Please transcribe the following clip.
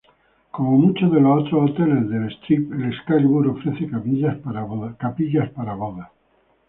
Como muchos de los otros hoteles del Strip, el Excalibur ofrece capillas para bodas.